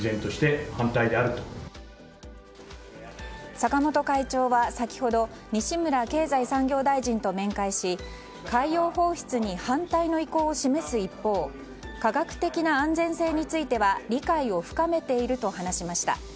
坂本会長は先ほど西村経済産業大臣と面会し海洋放出に反対の意向を示す一方科学的な安全性については理解を深めていると話しました。